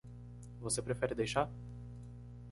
Você prefere deixar?